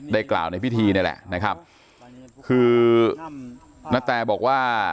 กล่าวในพิธีนี่แหละนะครับคือณแตบอกว่า